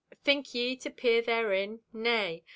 Think ye to peer therein? Nay.